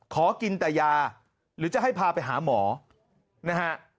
ขอกินแต่ยาหรือจะให้พาไปหาหมอนะฮะ